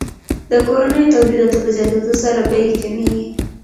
د کورنیو تولیداتو په زیاتیدو سره بیې کمیږي.